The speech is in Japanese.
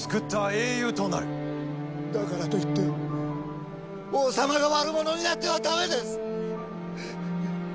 だからといって王様が悪者になってはダメです！